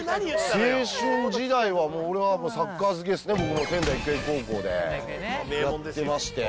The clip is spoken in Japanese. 青春時代はもう、俺はもうサッカー漬けですね、仙台育英高校でやってまして。